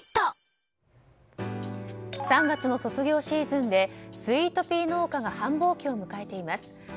３月の卒業シーズンでスイートピー農家が繁忙期を迎えています。